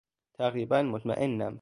تقریبا مطمئنم.